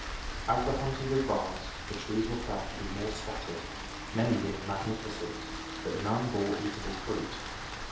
As the hunters advanced, the trees were found to be more scattered, many being magnificent, but none bore eatable fruit.